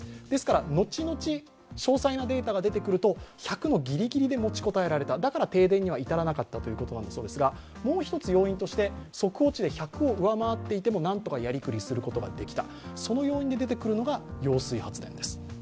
ですから、後々詳細なデータが出てくると１００のギリギリで持ちこたえられたから停電にいたらなかったということなんですがもう一つ要因として、速報値で１００を上回っていてもなんとかやりくりすることができた、その要因で出てくるのが揚水発電です。